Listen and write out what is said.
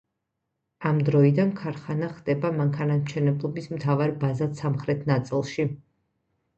ამ დროიდან ქარხანა ხდება მანქანათმშენებლობის მთავარ ბაზად სამხრეთ ნაწილში.